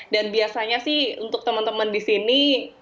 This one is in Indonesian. dan biasanya sih untuk teman teman di sini